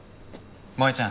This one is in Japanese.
萌ちゃん。